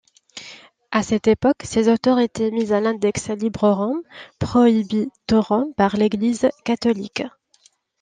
À cette époque, ces auteurs étaient mis à l'index librorum prohibitorum par l'Église catholique.